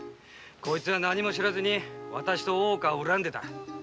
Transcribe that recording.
こいつは何も知らずにわたしと大岡を恨んでた。